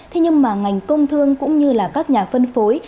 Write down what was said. thế nhưng mà ngành công thương cũng như là các nhà phân phối